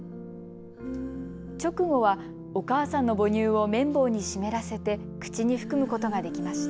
直後はお母さんの母乳を綿棒に湿らせて口に含むことができました。